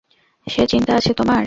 সে চিন্তা আছে তোমার?